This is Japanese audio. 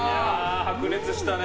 白熱したね。